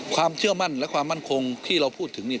ความเชื่อมั่นและความมั่นคงที่เราพูดถึงเนี่ย